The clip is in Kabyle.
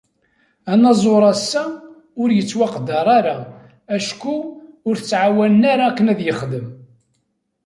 Anaẓur ass-a, ur yettwaqadar ara acku ur tettɛawanen ara akken ad yexdem.